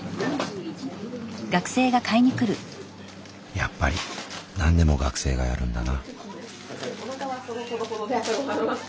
やっぱり何でも学生がやるんだな。